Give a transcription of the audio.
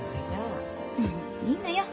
いいのよ。